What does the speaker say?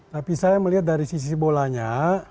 tapi saya melihat dari sisi bolanya